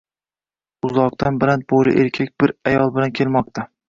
Uzoqdan baland bo`yli erkak bir ayol bilan kelmoqda